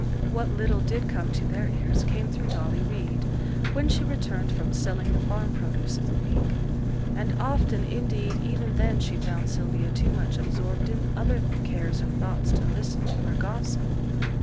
What little did come to their ears came through Dolly Reid, when she returned from selling the farm produce of the week; and often, indeed, even then she found Sylvia too much absorbed in other cares or thoughts to listen to her gossip.